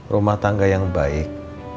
rumah tangga yang baik